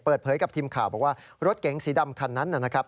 เปิดเผยกับทีมข่าวบอกว่ารถเก๋งสีดำคันนั้นนะครับ